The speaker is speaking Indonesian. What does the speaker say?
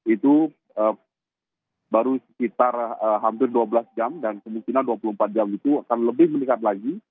itu baru sekitar hampir dua belas jam dan kemungkinan dua puluh empat jam itu akan lebih meningkat lagi